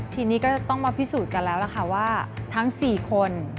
ทีนี้ก็ต้องมาพิสูจน์กันแล้วล่ะค่ะว่าทั้ง๔คน